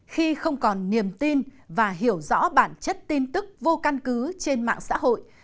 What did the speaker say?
khi không còn niềm tin và hiểu rõ bản chất tin tức vô căn cứ trên mạng xã hội